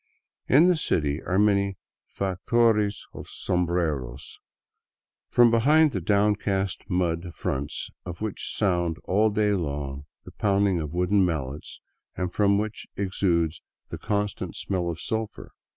In the city are many " factories of sombreros," from be hind the down cast mud fronts of which sounds all day long the pounding of wooden mallets, and from which exudes the constant smell of sulphur.